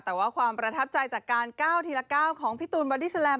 แต่ว่าความประทับใจจากการ๙ทีละ๙ของพี่ตูนบอดี้แลม